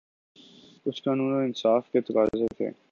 کچھ قانون اور انصاف کے تقاضے تھے۔